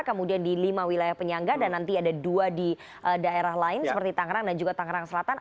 kemudian di lima wilayah penyangga dan nanti ada dua di daerah lain seperti tangerang dan juga tangerang selatan